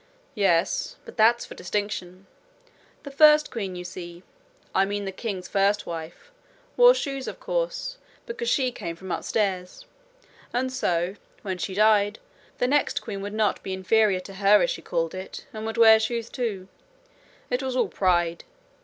'Yes; but that's for distinction. The first queen, you see I mean the king's first wife wore shoes, of course, because she came from upstairs; and so, when she died, the next queen would not be inferior to her as she called it, and would wear shoes too. It was all pride.